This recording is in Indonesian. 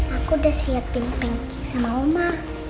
aku udah siapin tanki sama oma